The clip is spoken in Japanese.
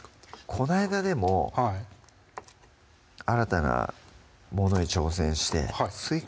こないだでも新たなものに挑戦してすいか